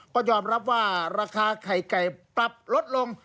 ก็ยอมรับว่าราคาไข่ไก่ปรับลดลง